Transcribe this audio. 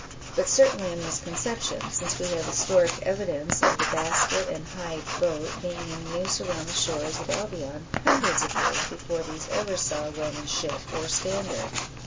But certainly a misconception; since we have historic evidence of the basket and hide boat being in use around the shores of Albion hundreds of years before these ever saw Roman ship or standard.